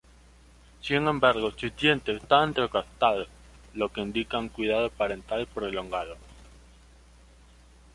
Sin embargo, sus dientes estaban desgastados, lo que indica un cuidado parental prolongado.